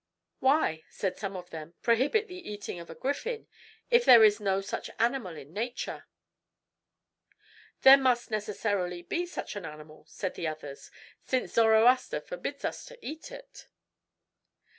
"Why," said some of them, "prohibit the eating of a griffin, if there is no such an animal in nature?" "There must necessarily be such an animal," said the others, "since Zoroaster forbids us to eat it."